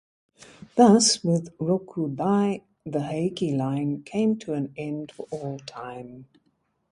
Thus, with Rokudai, the Heike line came to an end for all time.